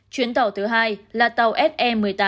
chuyến tàu thứ hai là tàu se một mươi tám